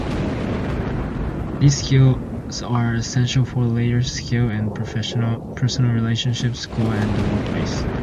These skills are essential for later success in personal relationships, school, and the workplace.